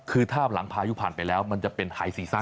คือถ้าหลังพายุผ่านไปแล้วมันจะเป็นหายซีซั่น